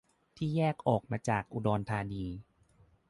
ที่แยกออกมาจากอุดรธานี